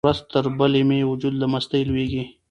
ورځ تر بلې مې وجود له مستۍ لویږي.